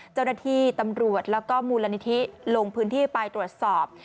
เจ้าหน้าที่ตำรวจแล้วก็มูลนิธิลงพื้นที่ไปตรวจสอบ